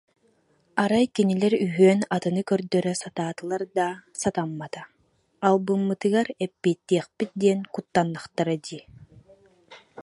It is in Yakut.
Арай кинилэр үһүөн атыны көрдөрө сатаатылар да, сатаммата, албыммытыгар эппиэттиэхпит диэн куттаннахтара дии